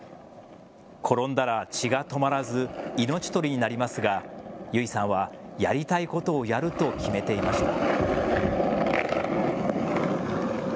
転んだら血が止まらず命取りになりますが優生さんはやりたいことをやると決めていました。